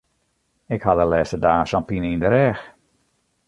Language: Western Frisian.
Ik ha de lêste dagen sa'n pine yn de rêch.